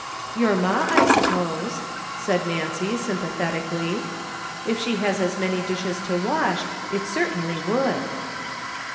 "Your ma, I suppose," said Nancy, sympa thetically ; "if she has as many dishes to wash it certainly would."